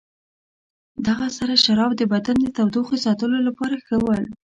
دغه سره شراب د بدن د تودوخې ساتلو لپاره ښه ول.